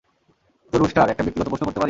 তো, রুস্টার, একটা ব্যক্তিগত প্রশ্ন করতে পারি?